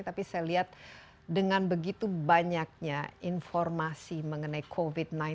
tapi saya lihat dengan begitu banyaknya informasi mengenai covid sembilan belas